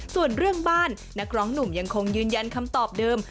ส่วนเรื่องบ้านนักร้องหนุ่มยังคงยืนยันคำตอบเดิม